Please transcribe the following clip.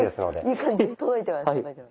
いい感じに届いてます。